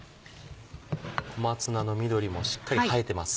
小松菜の緑もしっかり映えてます。